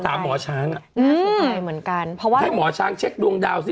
หมอช้างอ่ะน่าสนใจเหมือนกันเพราะว่าให้หมอช้างเช็คดวงดาวซิ